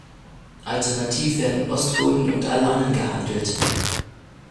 Alternativ werden Ostgoten und Alanen gehandelt.